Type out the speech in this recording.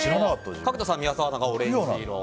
角田さん、宮澤アナがオレンジ色。